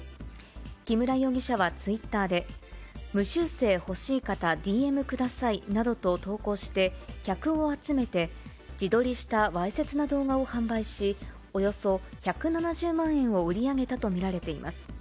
木村容疑者はツイッターで、無修正欲しい方ＤＭくださいなどと投稿して、客を集めて自撮りしたわいせつな動画を販売し、およそ１７０万円を売り上げたと見られています。